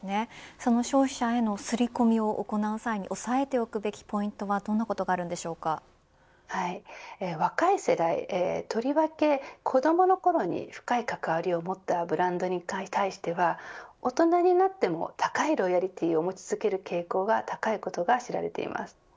その消費者への刷り込みを行う際に押さえておくべきポイントは若い世代とりわけ子どものころに深い関わりを持ったブランドに対しては大人になっても高いロイヤルティーを持ち続ける傾向が高いことが知られています。